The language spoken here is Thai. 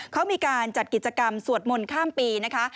เขามีการจัดกิจกรรมสวดมนต์ข้ามปีนะคะ